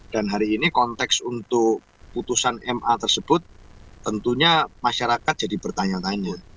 dan hari ini konteks untuk putusan ma tersebut tentunya masyarakat jadi bertanya tanya